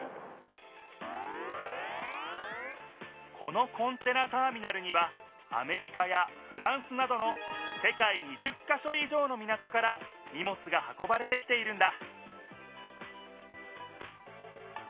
このコンテナターミナルにはアメリカやフランスなどの世界２０か所以上の港からにもつが運ばれてきているんだ